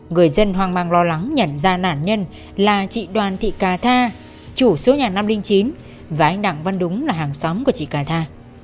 người dân hoang mang lo lắng nhận ra nạn nhân là chị đoàn thị ca tha chủ số nhà năm trăm linh chín và anh đặng văn đúng là hàng xóm của chị cà tha